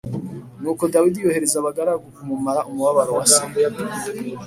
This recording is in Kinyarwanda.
Nuko Dawidi yohereza abagaragu kumumara umubabaro wa se.